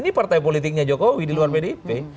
ini partai politiknya jokowi di luar pdip